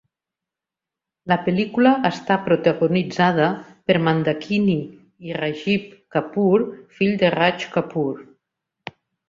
La pel·lícula està protagonitzada per Mandakini i Rajiv Kapoor, fill de Raj Kapoor.